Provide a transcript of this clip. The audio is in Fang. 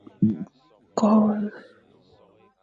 Ko won.